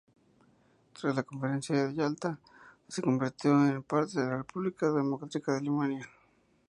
Tras la Conferencia de Yalta, se convirtió en parte de la República Democrática Alemana.